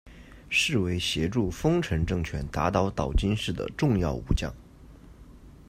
是为协助丰臣政权打倒岛津氏的重要武将。